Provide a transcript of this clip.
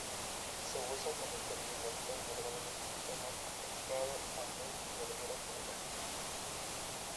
Se usa como condimento y normalmente se toma con pescado, arroz y verdura cruda.